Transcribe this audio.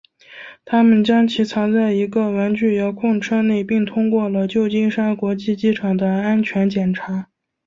他们将其藏在一个玩具遥控车内并通过了旧金山国际机场的安全检查。